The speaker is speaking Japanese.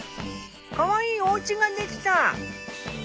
かわいいおうちができた！